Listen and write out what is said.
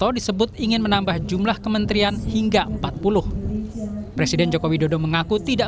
oh enggak enggak enggak